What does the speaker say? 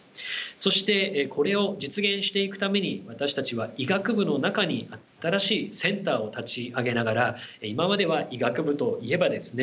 そしてこれを実現していくために私たちは医学部の中に新しいセンターを立ち上げながら今までは医学部といえばですね